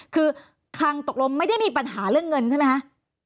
คือคลังตกลงไม่ได้มีปัญหาเรื่องเงินใช่ไหมคะ